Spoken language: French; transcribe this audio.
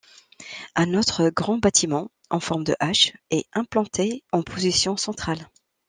Un autre grand bâtiment, en forme de H, est implanté en position centrale.